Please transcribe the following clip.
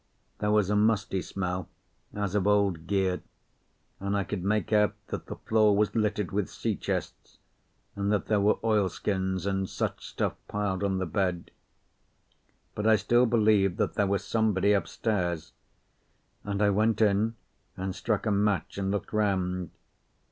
There was a musty smell, as of old gear, and I could make out that the floor was littered with sea chests, and that there were oilskins and such stuff piled on the bed. But I still believed that there was somebody upstairs, and I went in and struck a match and looked round.